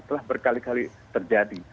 telah berkali kali terjadi